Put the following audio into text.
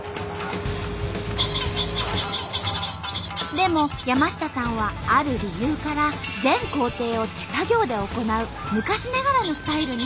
でも山下さんはある理由から全工程を手作業で行う昔ながらのスタイルにこだわっとんと。